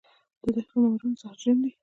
د دښتو ماران زهرجن دي